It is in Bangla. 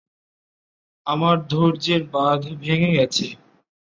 আমার ধৈর্যের বাঁধ ভেঙে গেছে।